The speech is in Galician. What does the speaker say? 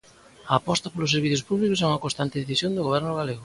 A aposta polos servizos públicos é unha constante decisión do Goberno galego.